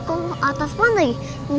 kok atas mana ya